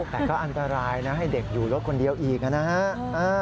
แต่ก็อันตรายนะให้เด็กอยู่รถคนเดียวอีกนะฮะ